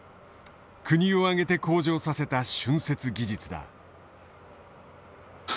国を挙げて向上させた浚渫技術だ。